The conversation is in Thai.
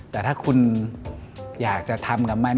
แต่ถ้าคุณอยากจะทำกับมัน